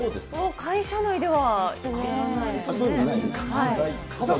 会社内ではやらないですね。